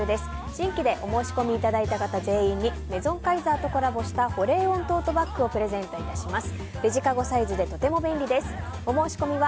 新規でお申し込みいただいた方全員にメゾンカイザーとコラボした保冷温トートバッグをプレゼントいたします。